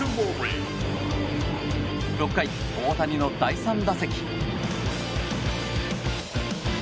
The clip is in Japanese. ６回、大谷の第３打席。